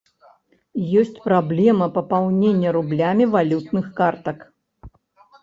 Ёсць праблема папаўнення рублямі валютных картак.